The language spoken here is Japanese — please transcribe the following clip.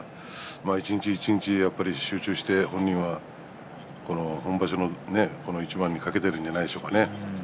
一日一日集中して本人は本場所のこの一番にかけているんじゃないでしょうか。